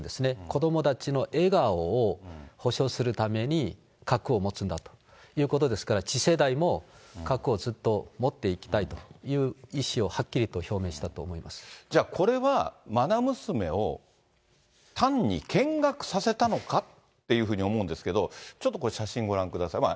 子どもたちの笑顔を保障するために、核を持つんだということですから、次世代も核をずっと持っていきたいという意思をはっきりと表明しじゃあ、これはまな娘を単に見学させたのかっていうふうに思うんですけど、ちょっとこれ、写真ご覧ください。